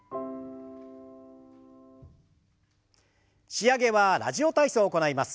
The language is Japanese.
仕上げは「ラジオ体操」を行います。